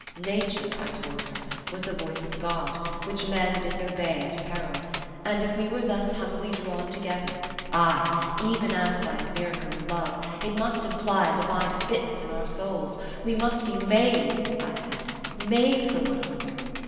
"Nature," I told her, "was the voice of God, which men disobey at peril; and if we were thus humbly drawn together, ay, even as by a miracle of love, it must imply a divine fitness in our souls; we must be made," I said—"made for one another.